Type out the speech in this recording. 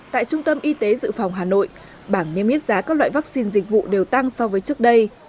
tại trung tâm y tế dự phòng hà nội bảng niêm yết giá các loại vaccine dịch vụ đều tăng so với trước đây